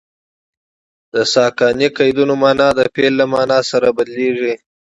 د ساکني قیدونو مانا د فعل له مانا سره بدلیږي.